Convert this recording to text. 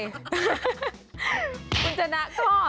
คุณชนะข้อ